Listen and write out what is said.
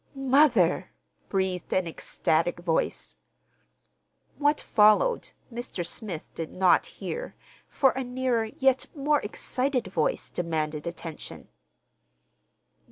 "Mother!" breathed an ecstatic voice. What followed Mr. Smith did not hear, for a nearer, yet more excited, voice demanded attention.